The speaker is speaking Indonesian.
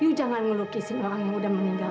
yuk jangan ngelukisin orang yang udah meninggal